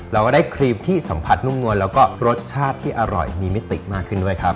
เราก็ได้ครีมที่สัมผัสนุ่มนวลแล้วก็รสชาติที่อร่อยมีมิติมากขึ้นด้วยครับ